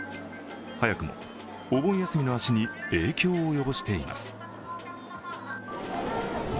早くもお盆休みの足に影響を及ぼしています。